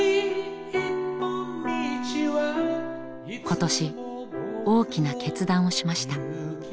今年大きな決断をしました。